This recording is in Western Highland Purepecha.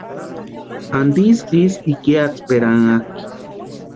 ¿Antisï ísï ikiatsperanhakʼi?